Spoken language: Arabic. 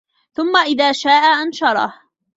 ثُمَّ إِذا شاءَ أَنشَرَهُ